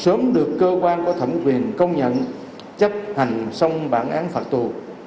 sớm được cơ quan có thẩm quyền công nhận chấp hành xong bản án phạt tù